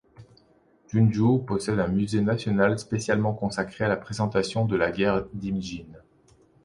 Junju possède un musée national spécialement consacré à la présentation de la guerre d'Imjin.